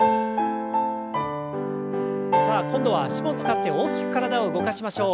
さあ今度は脚も使って大きく体を動かしましょう。